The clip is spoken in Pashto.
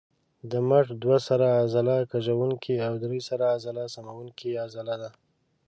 د مټ دوه سره عضله کږوونکې او درې سره عضله سموونکې عضله ده.